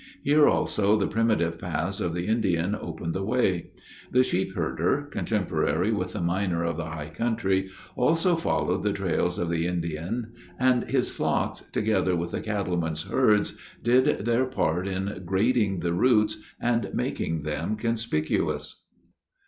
Here, also, the primitive paths of the Indian opened the way. The sheepherder, contemporary with the miner of the high country, also followed the trails of the Indian, and his flocks, together with the cattleman's herds, did their part in "grading" the routes and making them conspicuous.